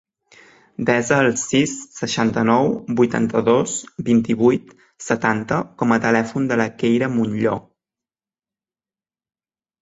Desa el sis, seixanta-nou, vuitanta-dos, vint-i-vuit, setanta com a telèfon de la Keira Monllor.